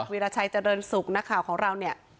วิราชัยเจริญสุขนักข่าวของเราเนี่ย